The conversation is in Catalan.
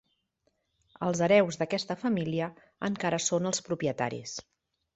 Els hereus d'aquesta família encara són els propietaris.